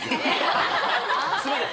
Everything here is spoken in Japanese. すいません